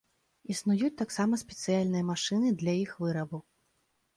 Існуюць таксама спецыяльныя машыны для іх вырабу.